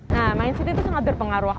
nah main city itu sangat berpengaruh